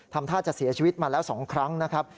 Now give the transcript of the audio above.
ทำท่าจะเสียชีวิตมาแล้ว๒ครั้งนะครับ